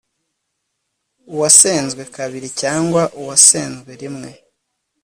uwasenzwe kabiri cyangwa uwasenzwe rimwe